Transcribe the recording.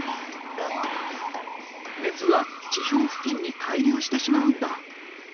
熱は地表付近に滞留してしまうんだ。